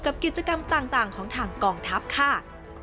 กิจกรรมต่างของทางกองทัพค่ะ